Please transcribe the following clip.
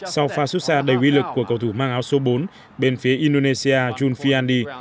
sau pha xuất xa đầy quy lực của cầu thủ mang áo số bốn bên phía indonesia junfiandi